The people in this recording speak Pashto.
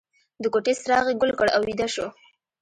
د کوټې څراغ یې ګل کړ او ویده شو